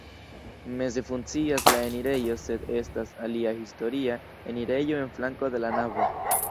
Meze funkcias la enirejo, sed estas alia historia enirejo en flanko de la navo.